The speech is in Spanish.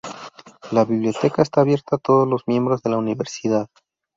La biblioteca está abierta a todos los miembros de la universidad.